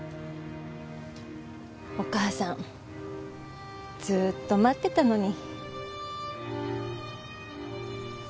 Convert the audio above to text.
お母さんずっと待ってたのに。